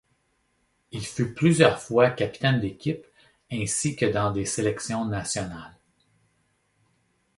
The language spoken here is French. Il fut plusieurs fois capitaine d'équipe ainsi que dans des sélections nationales.